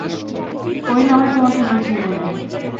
ওই নাহয় তোমাকে বুঝিয়ে বলবে।